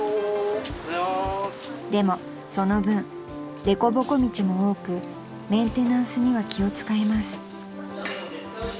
［でもその分でこぼこ道も多くメンテナンスには気を使います］